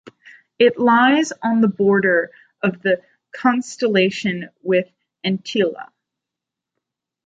It lies on the border of the constellation with Antlia.